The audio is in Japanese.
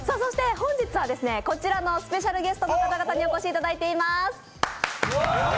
本日はスペシャルゲストの方々にお越しいただいています。